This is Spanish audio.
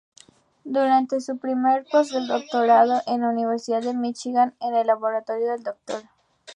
Durante su primer postdoctorado en la Universidad de Míchigan, en el laboratorio del Dr.